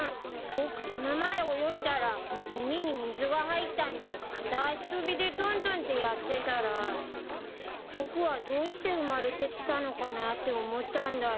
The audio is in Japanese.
僕この前泳いだら耳に水が入ったんで片足跳びでとんとんってやってたら僕はどうして生まれてきたのかなって思ったんだよ。